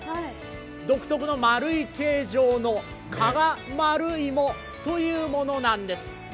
独特の丸い形状の加賀丸いもというものなんです。